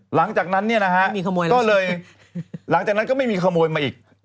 หลังจากนั้นเนี่ยนะฮะก็เลยหลังจากนั้นก็ไม่มีขโมยมาอีก